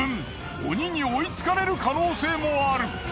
鬼に追いつかれる可能性もある！